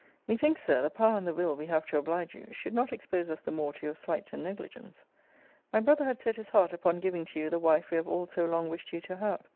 Methinks, Sir, the power and the will we have to oblige you, should not expose us the more to your slights and negligence. My brother had set his heart upon giving to you the wife we have all so long wished you to have.